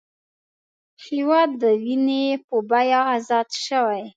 هېواد د وینې په بیه ازاد شوی